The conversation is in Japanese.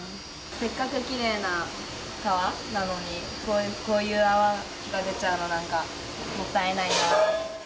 せっかくきれいな川なのに、こういう泡が出ちゃうの、なんかもったいないな。